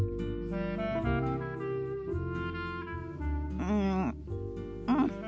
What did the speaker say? うんうん。